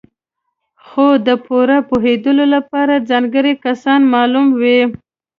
خو د پوره پوهېدو لپاره ځانګړي کسان معلوم وي.